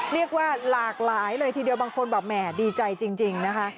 เรียกว่าหลากหลายเลยทีเดียวบางคนแบบแหม่ดีใจจริงนะคะ